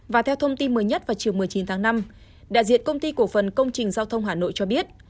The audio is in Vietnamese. và theo thông tin mới nhất vào chiều một mươi chín tháng năm đại diện công ty cổ phần công trình giao thông hà nội cho biết